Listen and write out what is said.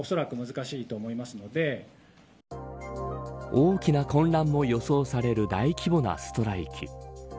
大きな混乱も予想される大規模なストライキ。